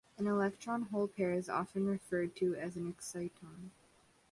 An electron-hole pair is often referred to as an exciton.